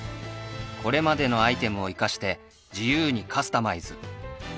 これまでのアイテムをいかして自由にカスタマイズ